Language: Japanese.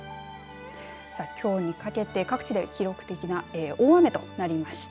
さあ、きょうにかけて各地で記録的な大雨となりました。